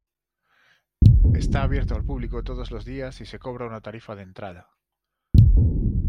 Está abierto al público todos los días y se cobra una tarifa de entrada.